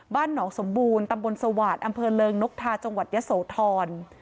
บ้านหนองสมบูรณ์ตำบลสวาสตร์อำเภอเริงนกทาจังหวัดยะโสธร